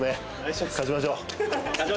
勝ちましょう。